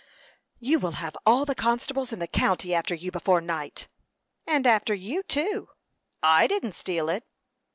"You will have all the constables in the county after you before night." "And after you, too." "I didn't steal it."